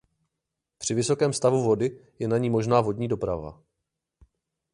Při vysokém stavu vody je na ní možná vodní doprava.